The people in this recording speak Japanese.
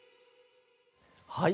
はい。